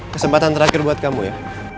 kesempatan terakhir buat kamu ya